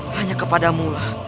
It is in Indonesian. hanya kepada mula